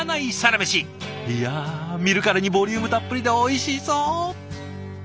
いや見るからにボリュームたっぷりでおいしそう！